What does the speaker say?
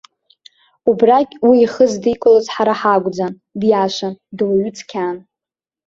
Убрагь уи ихы здикылоз ҳара ҳакәӡан, диашан, дуаҩы цқьан.